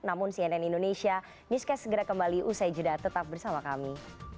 namun cnn indonesia newscast segera kembali usai jeda tetap bersama kami